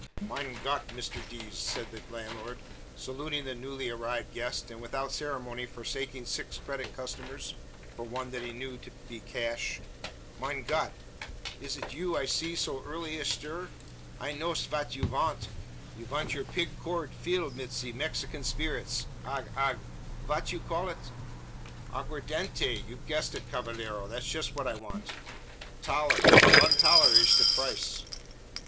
"Mein Gott, Mishter Dees!" said the landlord, saluting the newly arrived guest, and without ceremony forsaking six credit customers, for one that he knew to be cash. "Mein Gott! is it you I sees so early ashtir? I knowsh vat you vant. You vant your pig coord fill mit ze Mexican spirits ag ag vat you call it?" "Aguardiente! You've guessed it, cavallero. That's just what I want." "A tollar von tollar ish the price."